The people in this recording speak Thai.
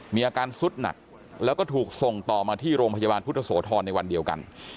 มีอาการสุดหนักแล้วก็ถูกส่งต่อมาที่โรงพยาบาลพุทธโสธรในวันเดียวกัน